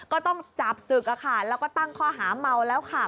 ก็ต้องจับศึกอะค่ะแล้วก็ตั้งคอหาเมาแล้วค่ะ